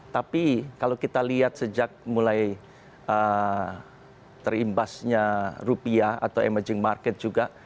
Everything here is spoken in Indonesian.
tapi kalau kita lihat sejak mulai terimbasnya rupiah atau emerging market juga